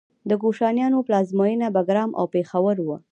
د کوشانیانو پلازمینه بګرام او پیښور و